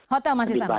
hotel masih sama baik